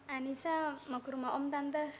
anissa mau ke rumah om tante